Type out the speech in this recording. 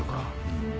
うん。